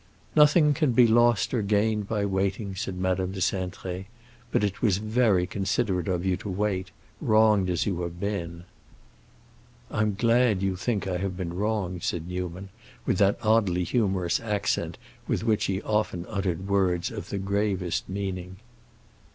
"Nothing can be lost or gained by waiting," said Madame de Cintré. "But it was very considerate of you to wait, wronged as you have been." "I'm glad you think I have been wronged," said Newman, with that oddly humorous accent with which he often uttered words of the gravest meaning.